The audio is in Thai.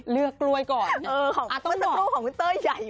เลือกกล้วยก่อนเออมันจะโครวของคุณเต้อใหญ่มาก